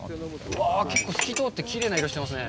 うわぁ、結構透き通って、きれいな色をしてますね。